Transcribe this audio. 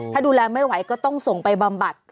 ถ้าดูแลไม่ไหวก็ต้องส่งไปบำบัด